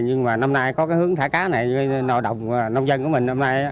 nhưng mà năm nay có cái hướng thả cá này nội đồng nông dân của mình